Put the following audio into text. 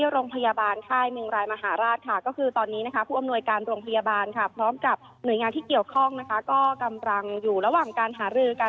ตอนบรรยากาศขนาดนี้ที่โรงพยาบาลท่ายเมืองรายมหาราช